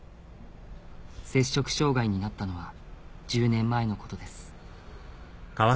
摂食障がいになったのは１０年前のことです